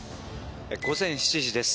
午前７時です。